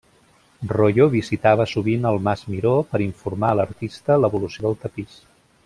Royo visitava sovint el Mas Miró per informar a l'artista l'evolució del tapís.